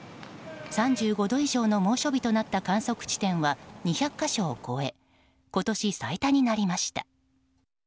３５度以上の猛暑日となった観測地点は２００か所を超え今年最多になりました。